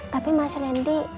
tapi mas lendi